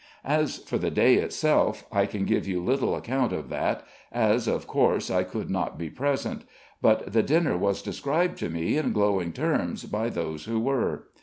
As for the day itself, I can give you little account of that, as, of course, I could not be present; but the dinner was described to me, in glowing terms, by those who were.